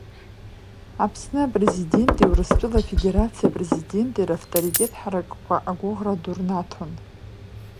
Аԥсны Апрезиденти Урыстәыла Афедерациа Апрезиденти равторитет ҳаракқәа агәыӷра ду рнаҭон.